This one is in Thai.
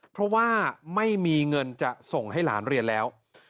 เพราะว่าไม่มีเงินจะส่งให้หลานเรียนแล้ว